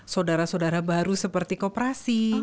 saudara saudara baru seperti kooperasi